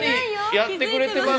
やってくれてます。